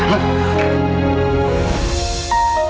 kamu mau ngapain